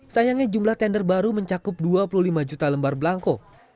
sayangnya jumlah tender baru mencakup dua puluh lima juta lembar belangko